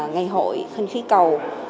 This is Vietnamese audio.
ngày hội khinh khí cầu